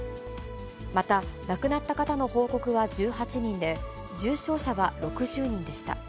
また、亡くなった方の報告は１８人で、重症者は６０人でした。